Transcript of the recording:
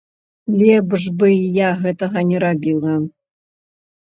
Лепш бы я гэтага не рабіла.